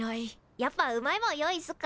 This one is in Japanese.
やっぱうまいもん用意すっか？